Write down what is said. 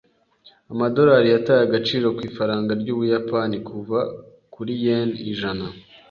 Amadolari yataye agaciro ku ifaranga ry’Ubuyapani kuva kuri yen ijana.